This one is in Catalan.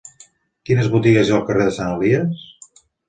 Quines botigues hi ha al carrer de Sant Elies?